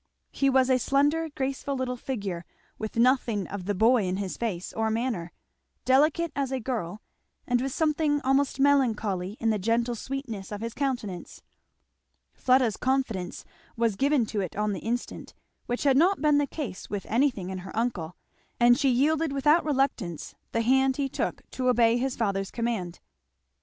He was a slender graceful little figure, with nothing of the boy in his face or manner; delicate as a girl, and with something almost melancholy in the gentle sweetness of his countenance. Fleda's confidence was given to it on the instant, which had not been the case with anything in her uncle, and she yielded without reluctance the hand he took to obey his father's command.